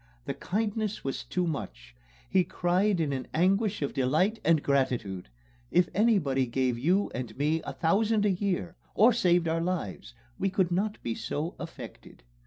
The kindness was too much ... He cried in an anguish of delight and gratitude; if anybody gave you and me a thousand a year, or saved our lives, we could not be so affected."